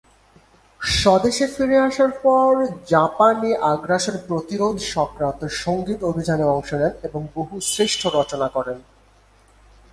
স্বদেশে ফিরে আসার পর জাপানী আগ্রাসন প্রতিরোধ সংক্রান্ত সংগীত অভিযানে অংশ নেন এবং বহু শ্রেষ্ঠ রচনা করেন।